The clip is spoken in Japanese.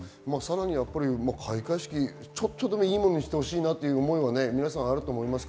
開会式、ちょっとでもいいものにしてほしいという思いはあると思います。